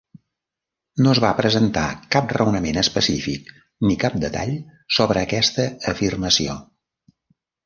No es va presentar cap raonament específic ni cap detall sobre aquesta afirmació.